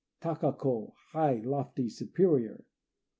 Taka ko "High," lofty, superior.